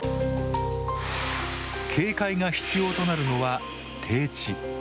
警戒が必要となるのは低地。